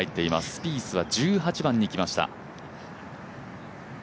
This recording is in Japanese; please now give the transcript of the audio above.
スピースは１８番に来ました。